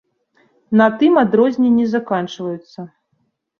На тым адрозненні заканчваюцца.